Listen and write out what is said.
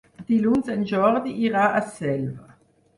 Dilluns en Jordi irà a Selva.